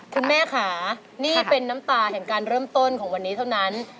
คุณแม่ค่ะนี่เป็นน้ำตาแห่งการเริ่มต้นของวันนี้เท่านั้น